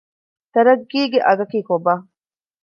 ތަރައްގީގެ އަގަކީ ކޮބާ؟